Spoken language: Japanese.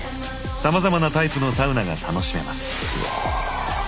さまざまなタイプのサウナが楽しめます。